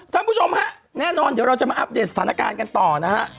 ท่านผู้ชมฮะแน่นอนเดี๋ยวเราจะมาอัปเดตสถานการณ์กันต่อนะฮะ